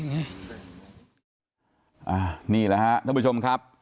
นี่แหละฮะท่านผู้ชมครับ